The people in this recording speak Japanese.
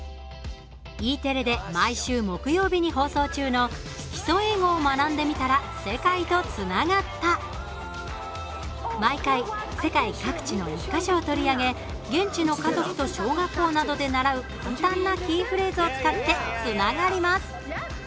Ｅテレで毎週木曜日に放送中の毎回、世界各地の１か所を取り上げ現地の家族と小学校などで習う簡単なキーフレーズを使ってつながります。